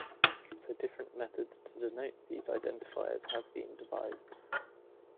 So different methods to denote these identifiers have been devised.